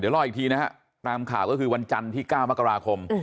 รออีกทีนะฮะตามข่าวก็คือวันจันทร์ที่๙มกราคม